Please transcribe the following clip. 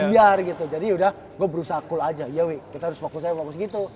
ambiar gitu jadi udah gue berusaha cool aja iya weh kita harus fokus aja fokus gitu